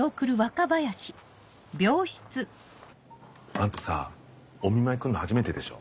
あんたさお見舞い来るの初めてでしょ。